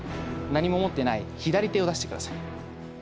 何も持っていない左手を出して下さい。